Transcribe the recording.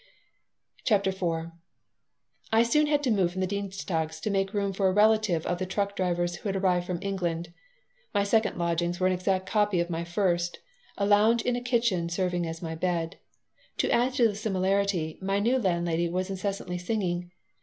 CHAPTER IV I SOON had to move from the Dienstogs' to make room for a relative of the truck driver's who had arrived from England. My second lodgings were an exact copy of my first, a lounge in a kitchen serving me as a bed. To add to the similarity, my new landlady was incessantly singing.